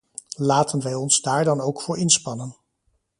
Laten wij ons daar dan ook voor inspannen.